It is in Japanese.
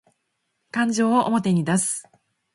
感情を表に出す